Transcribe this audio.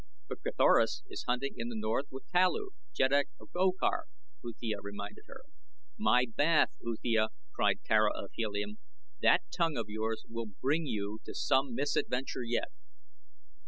"But Carthoris is hunting in the north with Talu, Jeddak of Okar," Uthia reminded her. "My bath, Uthia!" cried Tara of Helium. "That tongue of yours will bring you to some misadventure yet."